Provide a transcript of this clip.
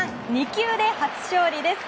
２球で初勝利です。